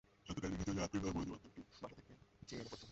এতটাই নেশা ছিল যে, আত্মীয়স্বজন বন্ধুবান্ধবীর বাসা থেকে চেয়ে এনে পড়তাম।